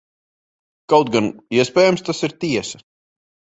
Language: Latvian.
Kaut gan, iespējams, tas ir tiesa.